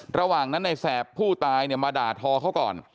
ระหว่างนั้นในแสบผู้ตายเนี่ยมาด่าทอเขาก่อน